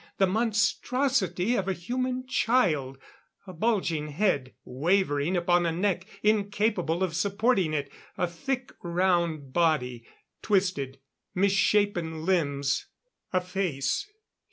The monstrosity of a human child; a bulging head, wavering upon a neck incapable of supporting it; a thick round body; twisted, misshapen limbs. A face